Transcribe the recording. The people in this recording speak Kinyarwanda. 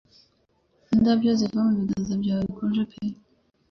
Indabyo ziva mu biganza byawe bikonje pe